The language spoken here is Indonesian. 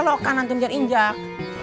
makan nanti mendarin jak